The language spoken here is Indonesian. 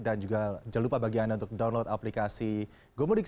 dan juga jangan lupa bagi anda untuk download aplikasi gomundi com